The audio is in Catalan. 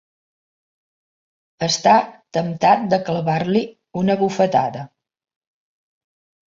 Està temptat de clavar-li una bufetada.